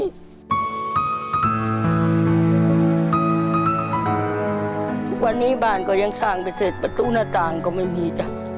ทุกวันนี้บ้านก็ยังสร้างไปเสร็จประตูหน้าต่างก็ไม่มีจ้ะ